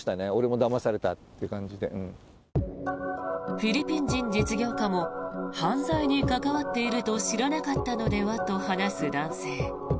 フィリピン人実業家も犯罪に関わっていると知らなかったのではと話す男性。